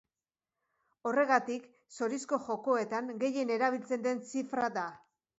Horregatik, zorizko jokoetan gehien erabiltzen den zifra da.